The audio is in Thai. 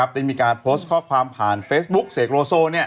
ได้มีการโพสต์ข้อความผ่านเฟซบุ๊กเสกโลโซ